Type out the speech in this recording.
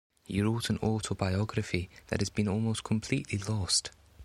He wrote an autobiography that has been almost completely lost.